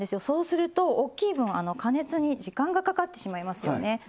そうすると大きい分加熱に時間がかかってしまいますよね。